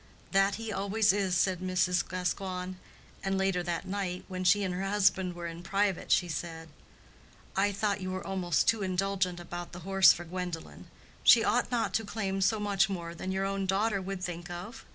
"That he always is," said Mrs. Gascoigne. And later that night, when she and her husband were in private, she said, "I thought you were almost too indulgent about the horse for Gwendolen. She ought not to claim so much more than your own daughter would think of.